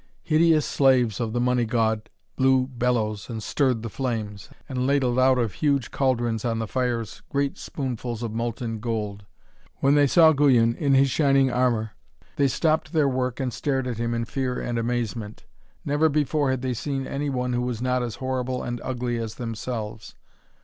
Hideous slaves of the Money God blew bellows and stirred the flames, and ladled out of huge caldrons on the fires great spoonfuls of molten gold. When they saw Guyon in his shining armour, they stopped their work and stared at him in fear and amazement. Never before had they seen any one who was not as horrible and as ugly as themselves.